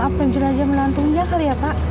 api jenazah menantungnya kali ya pak